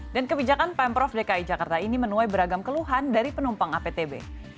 dan kebijakan pemprov dki jakarta ini menuai beragam keluhan dari penumpang aptb